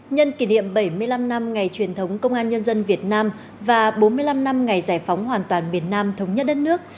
nhân kỷ niệm bảy mươi năm năm ngày truyền thống công an nhân dân việt nam và bốn mươi năm năm ngày giải phóng hoàn toàn miền nam thống nhất đất nước